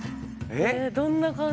どんな感じ？